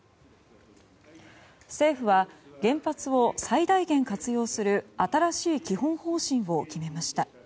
政府は、原発を最大限拡大する基本方針を決めました。